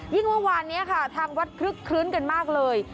เมื่อวานนี้ค่ะทางวัดคลึกคลื้นกันมากเลย